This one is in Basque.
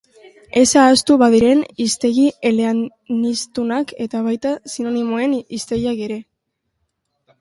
Ez ahaztu badirena hiztegi eleaniztunak eta baita sinonimoen hiztegiak ere.